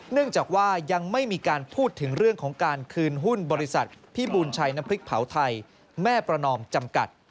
เนื่องจากว่ายังไม่มีการพูดถึงเรื่องของการคืนหุ้นบริษัทพี่บูลชัยน้ำพริกเผาไทยแม่ประนอมจำกัด